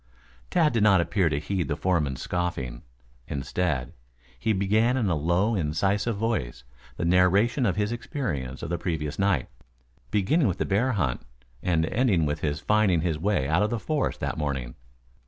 Tad did not appear to heed the foreman's scoffing. Instead, he began in a low incisive voice the narration of his experiences of the previous night, beginning with the bear hunt and ending with his finding his way out of the forest that morning.